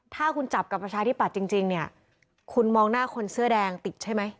ถ้าคุณจับกับประชาธิปัตย์จริงเนี่ยคุณมองหน้าคนเสื้อแดงติดใช่ไหม